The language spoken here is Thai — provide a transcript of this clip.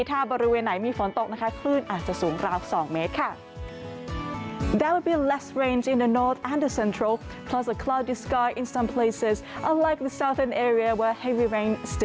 ถ้าบริเวณไหนมีฝนตกนะคะคลื่นอาจจะสูงราว๒เมตรค่ะ